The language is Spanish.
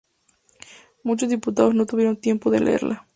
Muchos diputados no tuvieron tiempo de leerla.